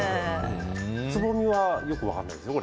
つぼみはよく分からないですよね。